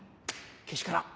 けしからん。